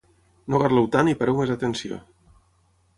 No garleu tant i pareu més atenció!